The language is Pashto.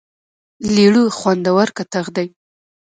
لیړو خوندور کتغ دی.